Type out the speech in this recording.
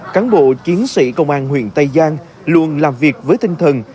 cán bộ chiến sĩ công an huyện tây giang luôn làm việc với tinh thần